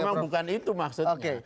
dan memang bukan itu maksudnya